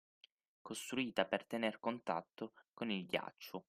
Costruita per tener contatto con il ghiaccio